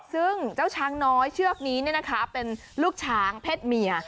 ซึ่งเจ้าช้างน้อยเชือกนี้เป็นลูกช้างเพศเมีย